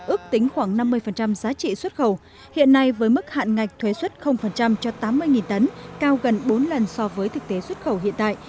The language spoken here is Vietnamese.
ước tính khoảng năm mươi giá trị xuất khẩu hiện nay với mức hạn ngạch thuế xuất cho tám mươi tấn cao gần bốn lần so với thực tế xuất khẩu hiện tại